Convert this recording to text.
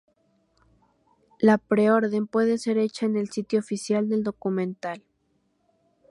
La preorden puede ser hecha en el sitio oficial del documental.